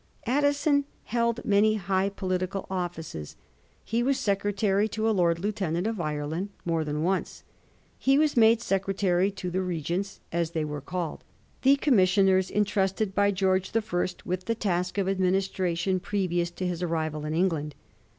Addison held many high political offices. He was Secretary to a Lord Lieutenant of Ireland more than once ; he was made Secretary to the * Regents,' as they were called — ^the commissioners entrusted by George the First with the task of administration previous to his arrival in England.